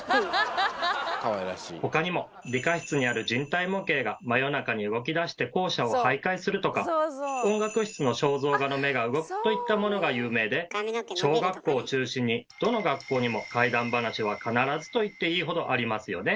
他にも理科室にある人体模型が真夜中に動きだして校舎を徘徊するとか音楽室の肖像画の目が動くといったものが有名で小学校を中心にどの学校にも「怪談ばなし」は必ずと言っていいほどありますよね。